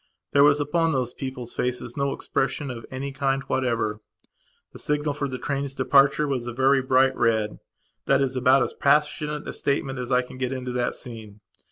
There was upon those people's faces no expression of any kind whatever. The signal for the train's departure was a very bright red; that is about as passionate a statement as I can get into that scene.